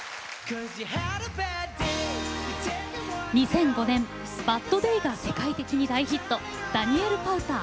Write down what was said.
２００５年「バッド・デイ」が世界的に大ヒットダニエル・パウター。